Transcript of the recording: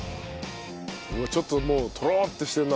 ちょっともうトロッてしてるな。